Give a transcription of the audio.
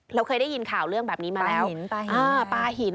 เราเคยได้ยินข่าวเรื่องแบบนี้มาแล้วหินปลาหิน